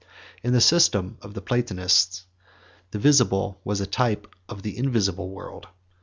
In the system of Platonists, the visible was a type of the invisible world.